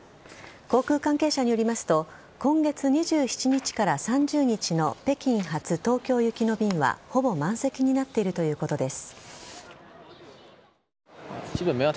航空関係者によりますと今月２７日から３０日の北京発・東京行きの便はほぼ満席になっているということです。